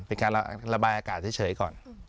เป็นการระบายอากาศเฉยก่อน